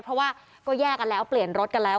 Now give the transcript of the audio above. เพราะว่าก็แยกกันแล้วเปลี่ยนรถกันแล้ว